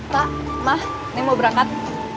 kak emah neng mau berangkat